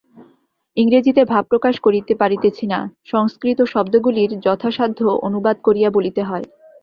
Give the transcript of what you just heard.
ইংরেজীতে ভাব প্রকাশ করিতে পারিতেছি না, সংস্কৃত শব্দগুলির যথাসাধ্য অনুবাদ করিয়া বলিতে হয়।